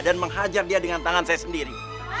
dan menghajak dia dengan tangan saya sendiri